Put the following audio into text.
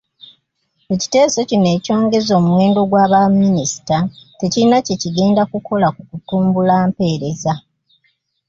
Ekiteeso kino ekyongeza omuwendo gwa baminisita tekirina kye kigenda kukola ku kutumbula mpeereza.